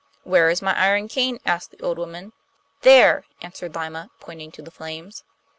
'Where is my iron cane?' asked the old woman. 'There!' answered Lyma, pointing to the flames.